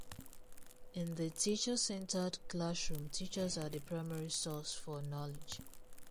In the "teacher-centered" classroom, teachers are the primary source for knowledge.